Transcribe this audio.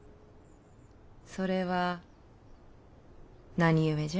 それは何故じゃ。